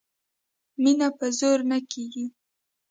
مینه په زور نه کېږي